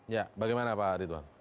ya bagaimana pak ritwan